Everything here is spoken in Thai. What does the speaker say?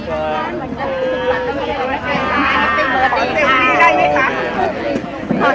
ขอให้ไปนายภูมิได้มั้ยคะ